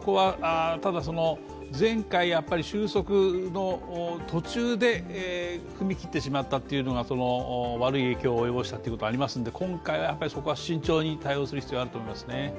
ただ前回、収束の途中で踏み切ってしまったというのが悪い影響を及ぼしたこともありましたので今回はそこは慎重に対応する必要があると思いますね。